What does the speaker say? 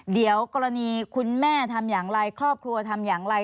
เดี๋ยวกรณีคุณแม่ทำอย่างไรครอบครัวทำอย่างไร